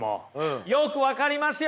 よく分かりますよ！